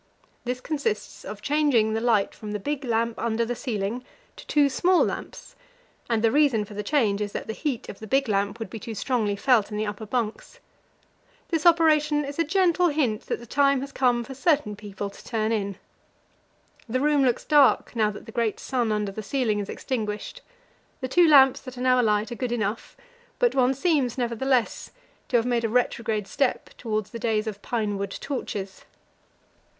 This consists of changing the light from the big lamp under the ceiling to two small lamps, and the reason for the change is that the heat of the big lamp would be too strongly felt in the upper bunks. This operation is a gentle hint that the time has come for certain people to turn in. The room looks dark now that the great sun under the ceiling is extinguished; the two lamps that are now alight are good enough, but one seems, nevertheless, to have made a retrograde step towards the days of pine wood torches.